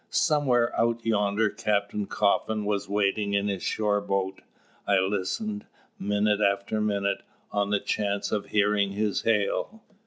Somewhere out yonder Captain Coffin was waiting in his shore boat. I listened, minute after minute, on the chance of hearing his hail.